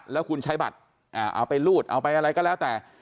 แล้วคุณใช้บัตรเอาไปรูดเอาไปอะไรก็แล้วแต่